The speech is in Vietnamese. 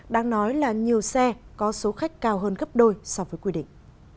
đáng nói là nhiều xe có số khách cao hơn gấp đôi so với quy định